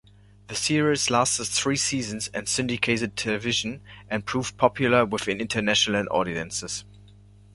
The series lasted three seasons on syndicated television, and proved popular with international audiences.